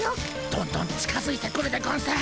どんどん近づいてくるでゴンス。